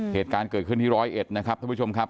เหตุการณ์เกิดขึ้นที่ร้อยเอ็ดนะครับท่านผู้ชมครับ